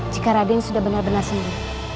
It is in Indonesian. jika raden sudah benar benar sembuh